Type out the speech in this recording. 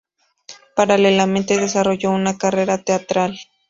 Paralelamente desarrolló una carrera teatral.